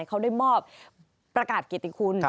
เขาได้มอบประกาศเกียรติคุณ